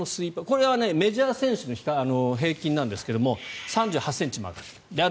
これはメジャー選手の平均ですが３８ｃｍ曲がる。